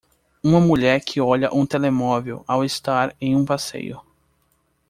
Uma mulher que olha um telemóvel ao estar em um passeio.